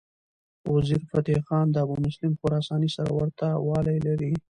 وزیرفتح خان د ابومسلم خراساني سره ورته والی لري.